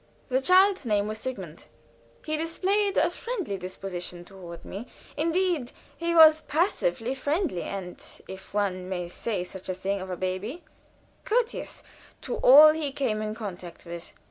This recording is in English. The child's name was Sigmund; he displayed a friendly disposition toward me, indeed, he was passively friendly and if one may say such a thing of a baby courteous to all he came in contact with.